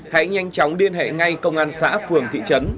hãy nhanh chóng liên hệ ngay công an xã phường thị trấn